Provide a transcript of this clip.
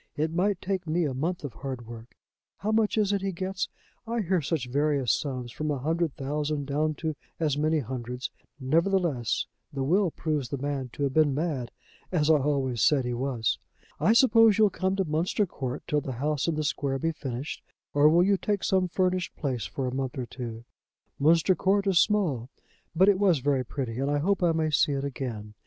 It might take me a month of hard work. How much is it he gets? I hear such various sums, from a hundred thousand down to as many hundreds. Nevertheless, the will proves the man to have been mad, as I always said he was. "I suppose you'll come to Munster Court till the house in the square be finished. Or will you take some furnished place for a month or two? Munster Court is small; but it was very pretty, and I hope I may see it again.